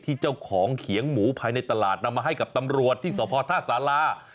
เจ้าของเขียงหมูภายในตลาดนำมาให้กับตำรวจที่สพท่าสารา